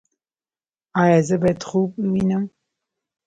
ایا زه باید خوب ووینم؟